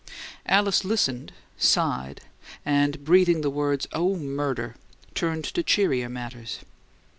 Alice listened, sighed, and, breathing the words, "Oh, murder!" turned to cheerier matters.